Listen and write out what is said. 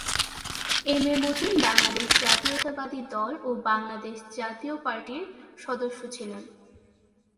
M A Matin Bangladesh জাতীয়তাবাদী দল ও বাংলাদেশ জাতীয় পার্টির সদস্য ছিলেন।